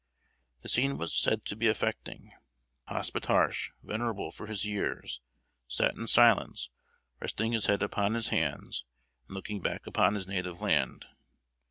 The scene was said to be affecting. Hospetarche, venerable for his years, sat in silence, resting his head upon his hands, and looking back upon his native land.